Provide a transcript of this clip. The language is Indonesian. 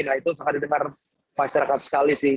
nah itu sangat didengar masyarakat sekali sih